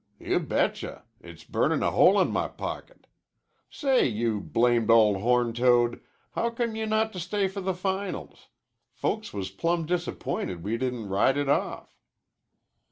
"Y'betcha; it's burnin' a hole in my pocket. Say, you blamed ol' horntoad, howcome you not to stay for the finals? Folks was plumb disappointed we didn't ride it off."